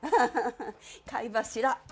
貝柱。